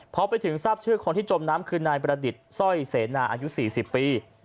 พอไปถึงทราบชื่อคนที่จมน้ำคือนายประดิษฐ์สร้อยเสนาอายุ๔๐ปี